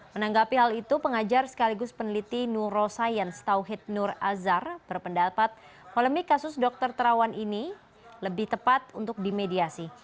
menanggapi hal itu pengajar sekaligus peneliti neuroscience tauhid nur azhar berpendapat polemik kasus dokter terawan ini lebih tepat untuk dimediasi